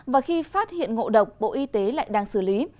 và khi phát hiện ngộ độc bộ y tế lại đang xử lý